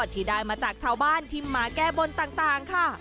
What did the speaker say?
ที่ได้มาจากชาวบ้านที่มาแก้บนต่างค่ะ